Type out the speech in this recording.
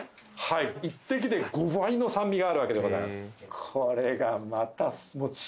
はい１滴で５倍の酸味があるわけでございます